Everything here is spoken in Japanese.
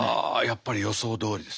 やっぱり予想どおりです。